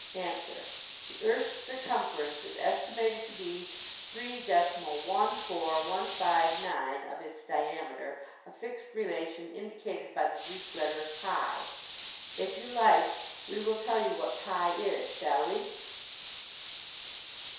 Answer: The earth's circumference is estimated to be three decimal one four one five nine of its diameter, a fixed relation indicated by the Greek letter pi. If you like we will tell you what pi is. Shall we?